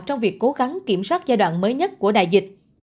trong việc cố gắng kiểm soát giai đoạn mới nhất của đại dịch